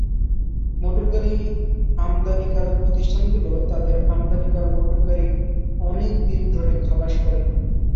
মোটরগাড়ি আমদানিকারক প্রতিষ্ঠানগুলো তাদের আমদানি করা মোটরগাড়ি অনেক দিন ধরে খালাস করেনি।